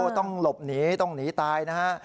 ต้องหลบหนีต้องหนีตายนะฮะ